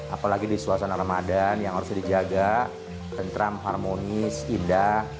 apalagi di suasana ramadan yang harus dijaga tentram harmonis indah